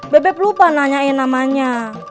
bebep lupa nanyain namanya